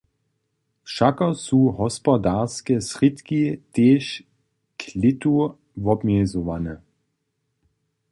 Wšako su hospodarske srědki tež klětu wobmjezowane.